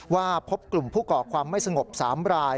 ว่าพบกลุ่มผู้ก่อความไม่สงบ๓ราย